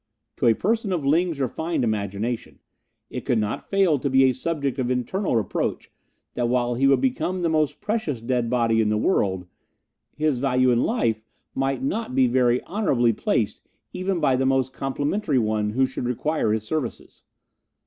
To a person of Ling's refined imagination it could not fail to be a subject of internal reproach that while he would become the most precious dead body in the world, his value in life might not be very honourably placed even by the most complimentary one who should require his services.